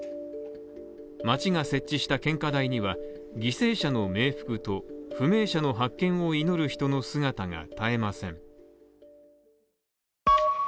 町が設置した献花台には犠牲者の冥福と不明者の発見を祈る人の姿が絶えません。